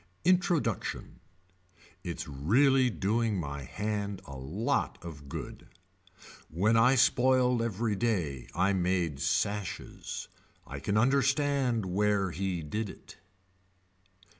Introduction. Its really doing my hand a lot of good. When I spoiled every day I made sashes. I can understand where he did it.